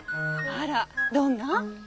あらどんな？